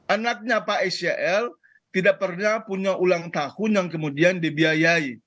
anaknya pak sel tidak pernah punya ulang tahun yang kemudian dibiayai